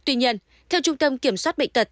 tuy nhiên theo trung tâm kiểm soát bệnh tật tp hcm